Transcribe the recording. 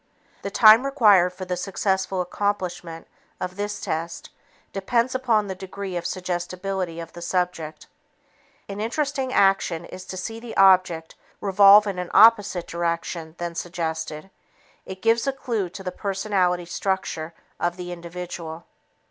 The time required for the successful accomplishment of this test depends upon the degree of suggestibility of the subject. An interesting action is to see the object revolve in an opposite direction than suggested. It gives a clue to the personality structure of the individual.